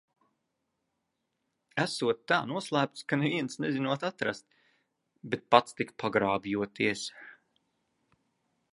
Esot tā noslēpts, ka neviens nezinot atrast, bet pats tik pagrābjoties.